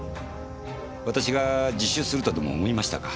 私が自首するとでも思いましたか？